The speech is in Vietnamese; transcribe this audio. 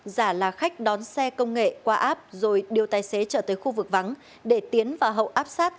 giả là khách đón xe công nghệ qua app rồi điều tài xế trở tới khu vực vắng để tiến vào hậu áp sát